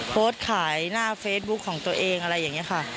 โพสต์ขายหน้าเฟซบุ๊คของตัวเองอะไรอย่างนี้ค่ะ